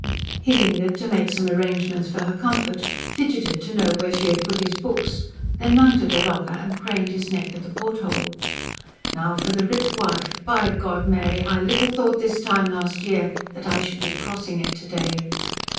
He lingered to make some arrangements for her comfort, fidgeted to know where she had put his books; then mounted a locker and craned his neck at the porthole. "Now for the Rip, wife! By God, Mary, I little thought this time last year, that I should be crossing it to day."